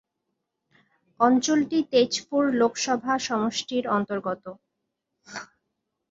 অঞ্চলটি তেজপুর লোকসভা সমষ্টির অন্তর্গত।